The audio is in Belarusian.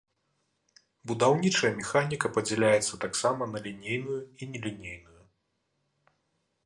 Будаўнічая механіка падзяляецца таксама на лінейную і нелінейную.